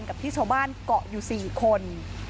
กับที่ชาวบ้านเกาะอยู่๔คน